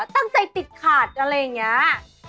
ตั้งใจติดขาดอะไรอย่างนี้